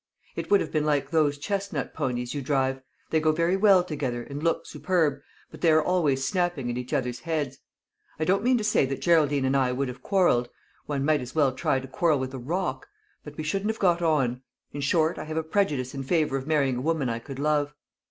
"It would have been like those chestnut ponies you drive; they go very well together, and look superb, but they are always snapping at each other's heads. I don't mean to say that Geraldine and I would have quarrelled one might as well try to quarrel with a rock but we shouldn't have got on. In short, I have a prejudice in favour of marrying a woman I could love."